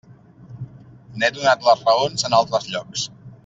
N'he donat les raons en altres llocs.